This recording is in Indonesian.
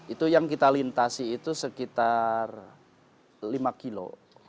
itu yang kita lintasi itu sekitar lima kilo